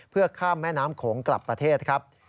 เพื่อข้ามแม่น้ำโขงกลับประเทศครับ